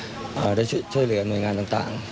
จะช่วยเหลือหน่วยงานต่าง